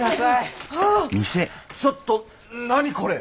ちょっと何これ？